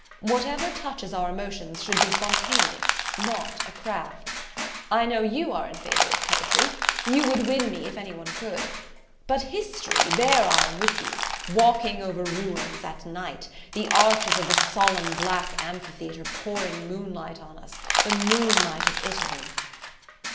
Whatever touches our emotions should be spontaneous, not a craft. I know you are in favour of poetry. You would win me, if any one could. But history! there I am with you. Walking over ruins: at night: the arches of the solemn black amphitheatre pouring moonlight on us the moonlight of Italy!"